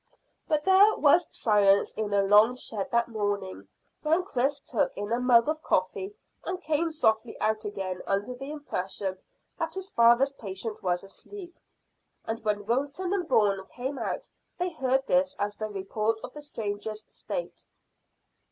But there was silence in the long shed that morning when Chris took in a mug of coffee and came softly out again under the impression that his father's patient was asleep; and when Wilton and Bourne came out they heard this as the report of the stranger's state.